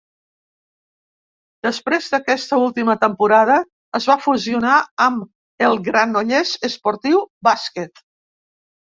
Després d'aquesta última temporada, es va fusionar amb el Granollers Esportiu Bàsquet.